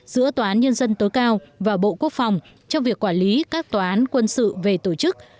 giữa tòa án nhân dân tối cao và bộ quốc phòng trong việc quản lý các tòa án quân sự về tổ chức